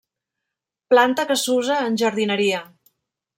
Planta que s'usa en jardineria.